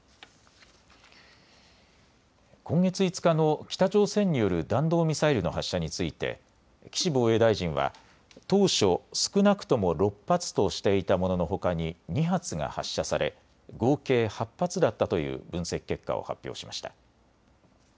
今月５日の北朝鮮による弾道ミサイルの発射について岸防衛大臣は当初少なくとも６発としていたもののほかに２発が発射されれ合計８発だったという分析結果を発表しました。